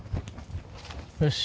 よし。